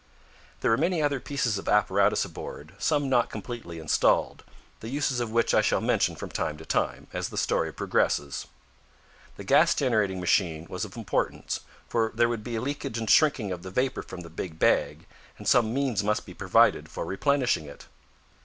There were many other pieces of apparatus aboard, some not completely installed, the uses of which I shall mention from time to time, as the story progresses. The gas generating machine was of importance, for there would be a leakage and shrinking of the vapor from the big bag, and some means must be provided for replenishing it.